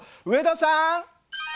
上田さん。